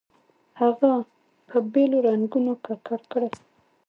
هغه په بېلو رنګونو ککړ کړئ.